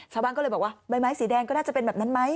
ชาวบ้านก็เลยบอกว่าใบไม้สีแดงก็น่าจะเป็นแบบนั้นไหม